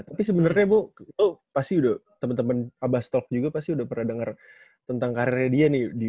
tapi sebenernya bos lo pasti udah temen temen abastalk juga pasti udah pernah denger tentang karirnya dia nih